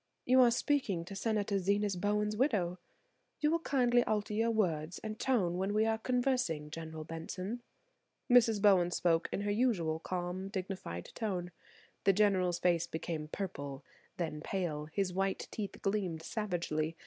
"You are speaking to Senator Zenas Bowen's widow. You will kindly alter your words and tone when we are conversing, General Benson." Mrs. Bowen spoke in her usual calm, dignified tone. The General's face became purple, then pale; his white teeth gleamed savagely.